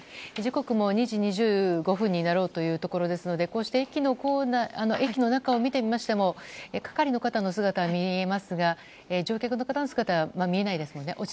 時刻も２時２５分になろうというところですのでこうして駅の中を見ても係の方の姿は見えますが乗客の方の姿は見えないですね。